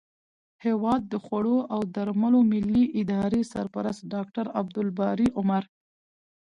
هیواد د خوړو او درملو ملي ادارې سرپرست ډاکټر عبدالباري عمر